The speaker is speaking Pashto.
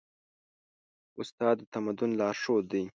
استاد د تمدن لارښود دی.